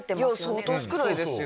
相当少ないですよ。